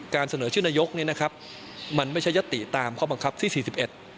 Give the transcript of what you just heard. การเสนอชื่อนโยคนี่นะครับมันไม่ใช่ยัตติตามข้อบังคับที่๔๑